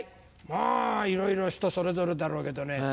まぁいろいろ人それぞれだろうけどね。